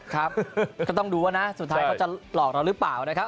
ครับก็ต้องดูว่านะสุดท้ายเขาจะหลอกเราหรือเปล่านะครับ